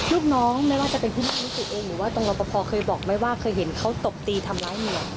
ลูกน้องไม่ว่าจะเป็นผู้น้องรู้สึกเองหรือว่าตรงรับพอเคยบอกไม่ว่าเคยเห็นเขาตบตีทำร้ายเมือง